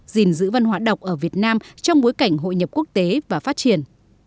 gìn giữ văn hóa đọc ở việt nam trong bối cảnh hội nhập quốc tế và phát triển